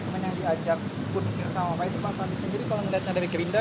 kemudian yang diajak pun sama pak itu pak sambi sendiri kalau melihatnya dari gerinda